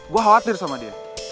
gue khawatir sama dia